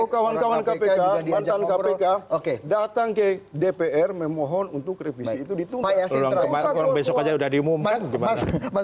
kawan kawan kpk oke datang ke dpr memohon untuk revisi itu ditunggu besok aja udah diumumkan